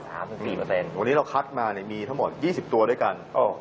วันนี้เราคัดมามีทั้งหมด๒๐ตัวด้วยกัน